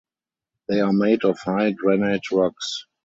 They are made of high granite rocks.